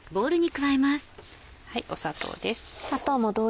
砂糖です。